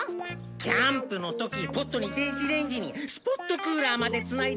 キャンプの時ポットに電子レンジにスポットクーラーまでつないだからだよ。